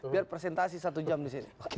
biar presentasi satu jam disini